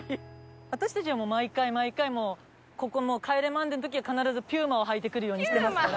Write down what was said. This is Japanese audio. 私たちは毎回毎回もう『帰れマンデー』の時は必ずピューマを履いてくるようにしてますから。